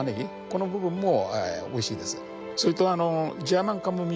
この部分もおいしいです。